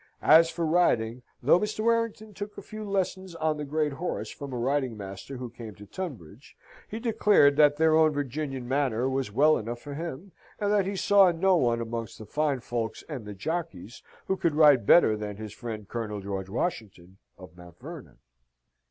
As for riding, though Mr. Warrington took a few lessons on the great horse from a riding master who came to Tunbridge, he declared that their own Virginian manner was well enough for him, and that he saw no one amongst the fine folks and the jockeys who could ride better than his friend Colonel George Washington of Mount Vernon.